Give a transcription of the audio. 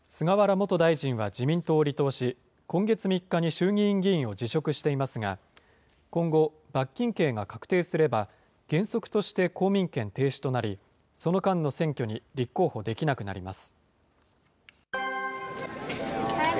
元大臣は自民党を離党し、今月３日に衆議院議員を辞職していますが、今後、罰金刑が確定すれば、原則として公民権停止となり、その間の選挙に立候補できなくなります。